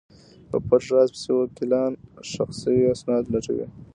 په پټ راز پسې وکیلان ښخ شوي اسناد لټوي.